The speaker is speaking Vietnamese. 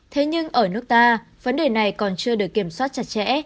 thế nhưng ở nước ta vấn đề này còn chưa được kiểm soát chặt chẽ